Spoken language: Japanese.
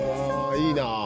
いいなあ。